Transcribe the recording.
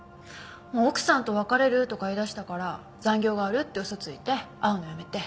奥さんと別れるとか言い出したから残業があるって嘘ついて会うのをやめて。